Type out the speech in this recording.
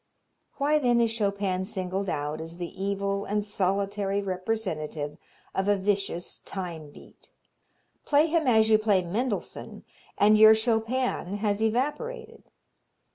Why then is Chopin singled out as the evil and solitary representative of a vicious time beat? Play him as you play Mendelssohn and your Chopin has evaporated.